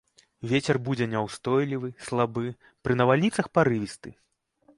Вецер будзе няўстойлівы, слабы, пры навальніцах парывісты.